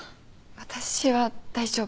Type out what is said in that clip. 私は大丈夫。